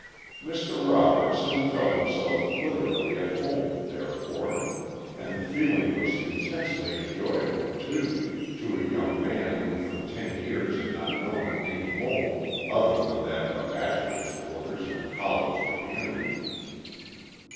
Mr. Robert soon felt himself literally at home, therefore, and the feeling was intensely enjoyable, too, to a young man who for ten years had not known any home other than that of a bachelor's quarters in a college community.